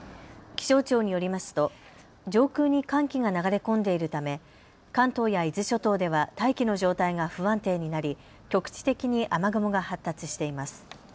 気象庁によりますと上空に寒気が流れ込んでいるため関東や伊豆諸島では大気の状態が不安定になり局地的に雨雲が発達しています。